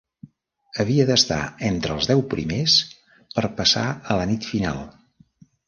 Havia d'estar entre els deu primers per passar a la nit final.